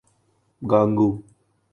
Congo